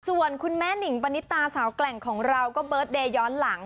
ส่วนคุณแม่หนิงปณิตาสาวแกร่งของเราก็เบิร์ตเดย์ย้อนหลัง